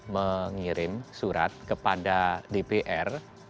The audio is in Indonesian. mengirim surat kepada dpr